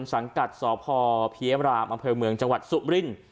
สังกัดสพพรบเมืองจังหวัดสุมริ่น